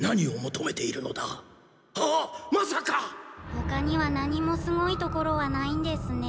ほかには何もすごいところはないんですね。